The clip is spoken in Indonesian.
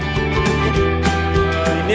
masakan spaghetti rendang